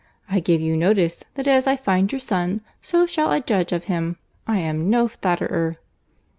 I give you notice that as I find your son, so I shall judge of him.—I am no flatterer."